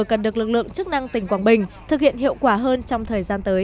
cần được lực lượng chức năng tỉnh quảng bình thực hiện hiệu quả hơn trong thời gian tới